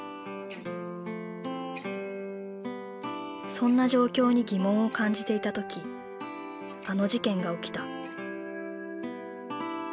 そんな状況に疑問を感じていた時あの事件が起きた。